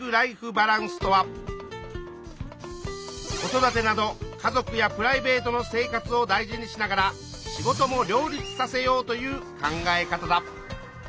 子育てなど家族やプライベートの生活をだいじにしながら仕事も両立させようという考え方だ。